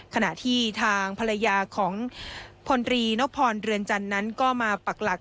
ขณะที่ทางภรรยาของพลตรีนพรเรือนจันทร์นั้นก็มาปักหลัก